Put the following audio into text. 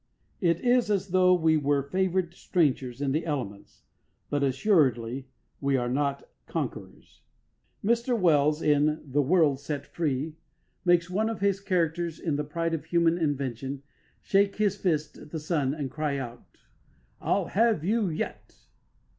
It is as though we were favoured strangers in the elements, but assuredly we are not conquerors. Mr Wells in The World Set Free makes one of his characters in the pride of human invention shake his fist at the sun and cry out, "I'll have you yet."